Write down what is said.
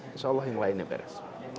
insya allah yang lainnya beres